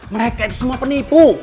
mereka itu semua penipu